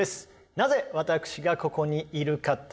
なぜ私がここにいるかって？